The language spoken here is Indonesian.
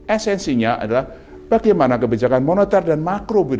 esensinya adalah bagaimana kebijakan moneter dan makro